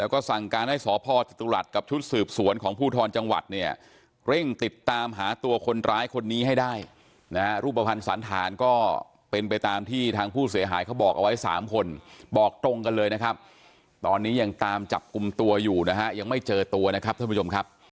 ขอบคุณครินกะมุดโยธินผู้สื่อขาดรัสทีวีที่ไปตามคดีนี้นะครับได้คุยกับคุณแม่ของผู้สื่อขาดรัสทีวีที่ไปตามคดีนี้นะครับ